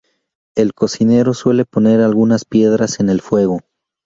El cocinero suele poner algunas piedras en el fuego.